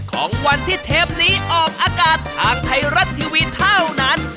ของวันที่เทปนี้ออกอากาศทางไทยรัฐทีวีเท่านั้น